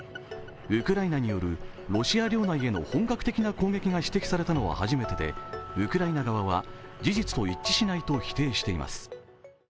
ウクライナによるロシア領内への本格的な攻撃が指摘されたのは初めてでウクライナ側は事実と一致しないと否定しています。